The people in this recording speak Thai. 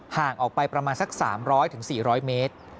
ห่างออกไปประมาณสัก๓๐๐๔๐๐เมตร